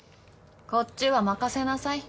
こっちは任せなさい。